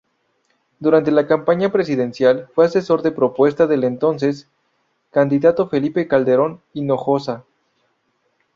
Durante la campaña presidencial fue asesor de propuesta del entonces candidato Felipe Calderón Hinojosa.